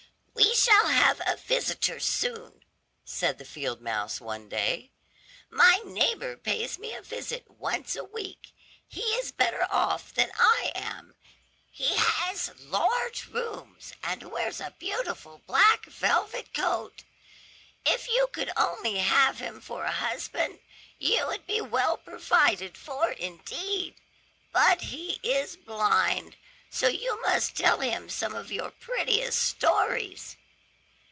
"We shall have a visitor soon," said the field mouse one day; "my neighbor pays me a visit once a week. He is better off than I am; he has large rooms, and wears a beautiful black velvet coat. If you could only have him for a husband, you would be well provided for indeed. But he is blind, so you must tell him some of your prettiest stories."